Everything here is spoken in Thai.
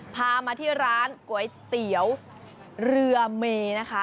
พามาที่ร้านก๋วยเตี๋ยวเรือเมนะคะ